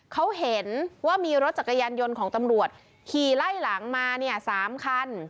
เขาเห็นว่ามีรถจักรยานยนต์ของตำรวจขี่ไล่หลังมาเนี่ย๓คัน